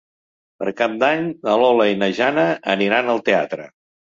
Per Cap d'Any na Lola i na Jana aniran al teatre.